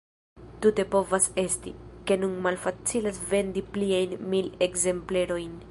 Tute povas esti, ke nun malfacilas vendi pliajn mil ekzemplerojn.